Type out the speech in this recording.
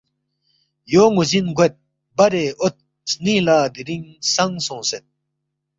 یو نوزن گوید برے اوت سنینگ لا دیرینگ سنگ سونگسید